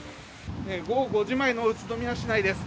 午後５時前の宇都宮市内です。